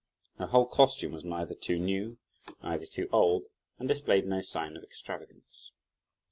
Her whole costume was neither too new, neither too old, and displayed no sign of extravagance.